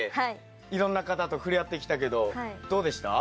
いろんな方とふれあってきたけどどうでした？